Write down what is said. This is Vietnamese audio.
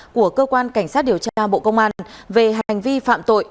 của cơ quan cảnh sát điều tra bộ công an về hành vi phạm tội